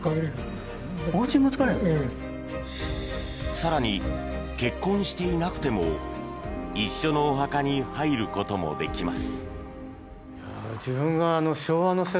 更に、結婚していなくても一緒のお墓に入ることもできます。